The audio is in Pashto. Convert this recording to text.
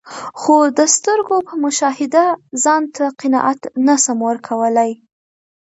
خو د سترګو په مشاهده ځانته قناعت نسم ورکول لای.